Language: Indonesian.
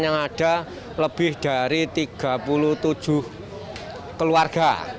yang ada lebih dari tiga puluh tujuh keluarga